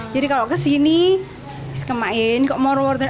jadi kalau ke sini is ke main kok mau order